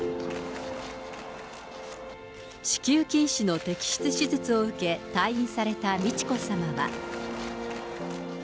子宮筋腫の摘出手術を受け、退院された美智子さまは。